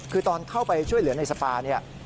คือตอนเข้าไปช่วยเหลือในสปาเนี่ย